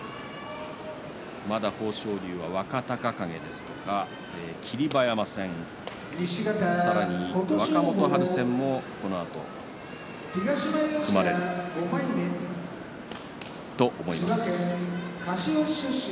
まだ豊昇龍は若隆景、霧馬山戦さらに若元春戦もこのあと組まれると思います。